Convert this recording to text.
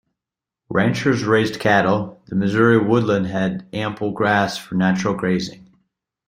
Ranchers raised cattle; the Missouri woodland had ample grass for natural grazing.